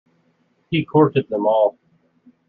He courted them all.